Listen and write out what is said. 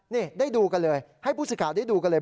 นี่ได้ดูกันเลยให้ผู้สื่อข่าวได้ดูกันเลย